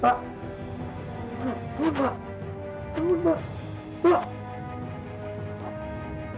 tapi lebih baik kami jual sawah ini